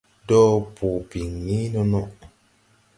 Dɔɔ bɔɔ biŋni nono.